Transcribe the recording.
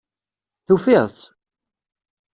Tufiḍ-tt?